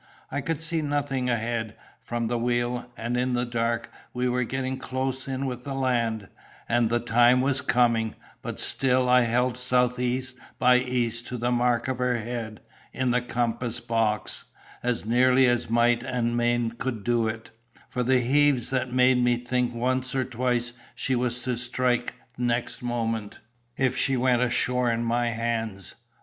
I could see nothing ahead, from the wheel, and in the dark; we were getting close in with the land, and the time was coming; but still I held south east by east to the mark of her head in the compass box, as nearly as might and main could do it, for the heaves that made me think once or twice she was to strike next moment. "If she went ashore in my hands!